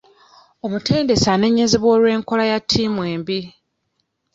Omutendesi anenyezebwa olw'enkola ya ttiimu embi.